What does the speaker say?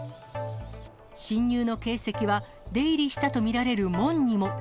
侵入の形跡は、出入りしたと見られる門にも。